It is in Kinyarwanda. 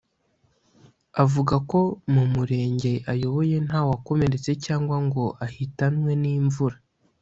avuga ko mu murenge ayoboye nta wakomeretse cyangwa ngo ahitanwe n’imvura